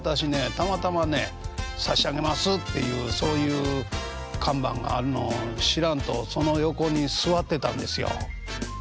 たまたまね「差し上げます」っていうそういう看板があるのを知らんとその横に座ってたんですよ。